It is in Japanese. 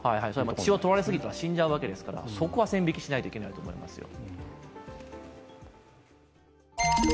血をとられすぎたら死んじゃうわけですからそこは線引きしないといけないと思いますよ。